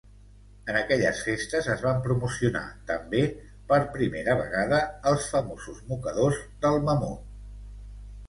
En aquelles festes es van promocionar, també, per primera vegada, els famosos mocadors del mamut.